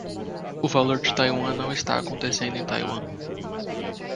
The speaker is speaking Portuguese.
O valor de Taiwan não está acontecendo em Taiwan.